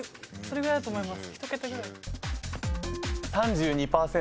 それぐらいだと思います。